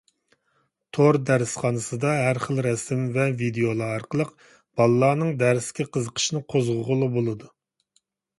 تور دەرسخانىسىدا ھەر خىل رەسىم ۋە ۋىدىيولار ئارقىلىق بالىلارنىڭ دەرسكە قىزىقىشىنى قوزغىغىلى بولىدۇ.